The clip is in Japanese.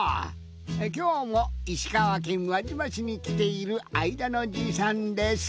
きょうも石川県輪島市にきているあいだのじいさんです。